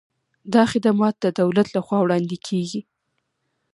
دا خدمات د دولت له خوا وړاندې کیږي.